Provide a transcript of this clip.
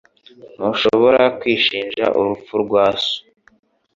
Ntushobora kwishinja urupfu rwa so.